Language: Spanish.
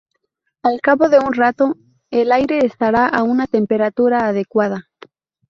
Al cabo de un rato, el aire estará a una temperatura adecuada.